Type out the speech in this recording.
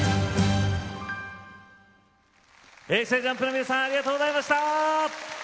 ＪＵＭＰの皆さんありがとうございました。